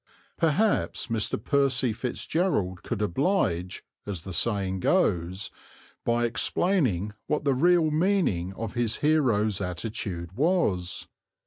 Perhaps Mr. Percy Fitzgerald could oblige, as the saying goes, by explaining what the real meaning of his hero's attitude was.